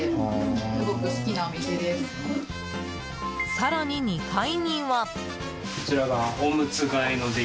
更に２階には。